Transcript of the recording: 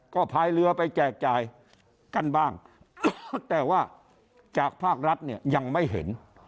ก็พายเรือไปแจกจ่ายกันบ้างแต่ว่าจากภาครัฐเนี่ยยังไม่เห็น